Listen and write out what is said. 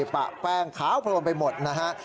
ปะแป้งขาวโพรมไปหมดนะฮะ